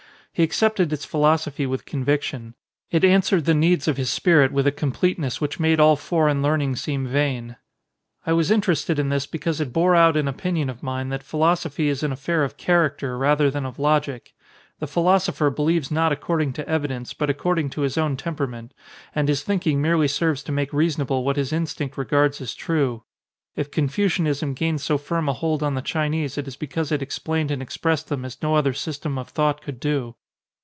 He accepted its philosophy with conviction. It answered the needs of his spirit with a completeness which made all foreign learn ing seem vain. I was interested in this because it bore out an opinion of mine that philosophy is an affair of character rather than of logic: the philosopher believes not according to evidence, but according to his own temperament; and his thinking merely serves to make reasonable what his instinct regards as true. If Confucianism gained so firm a hold on the Chinese it is because it explained and expressed them as no other sys tem of thought could do.